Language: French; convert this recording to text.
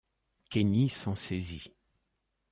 Kenny s'en saisit.